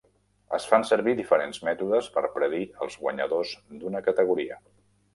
Es fan servir diferents mètodes per predir els guanyadors d'una categoria.